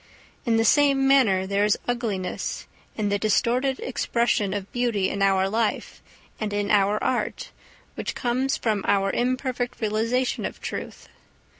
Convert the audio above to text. In the same manner there is ugliness in the distorted expression of beauty in our life and in our art which comes from our imperfect realisation of Truth.